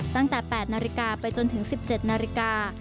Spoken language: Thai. ตั้งแต่๘นาฬิกาไปจนถึง๑๗นาฬิกา